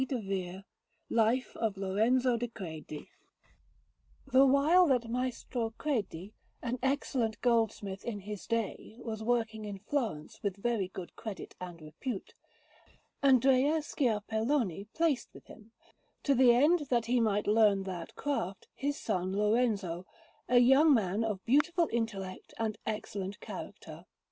Panel)] LIFE OF LORENZO DI CREDI PAINTER OF FLORENCE The while that Maestro Credi, an excellent goldsmith in his day, was working in Florence with very good credit and repute, Andrea Sciarpelloni placed with him, to the end that he might learn that craft, his son Lorenzo, a young man of beautiful intellect and excellent character.